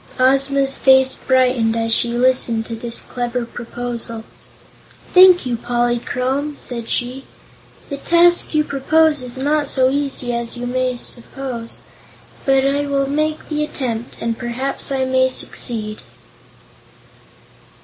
Ozma's face brightened as she listened to this clever proposal. "Thank you, Polychrome," said she. "The task you propose is not so easy as you suppose, but I will make the attempt, and perhaps I may succeed."